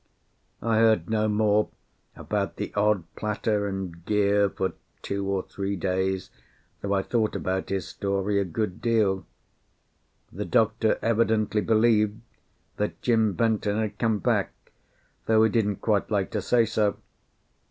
I heard no more about the odd platter and gear for two or three days, though I thought about his story a good deal. The doctor evidently believed that Jim Benton had come back, though he didn't quite like to say so.